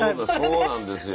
そうなんですよ。